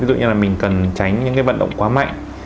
ví dụ như là mình cần tránh những cái vận động quá mạnh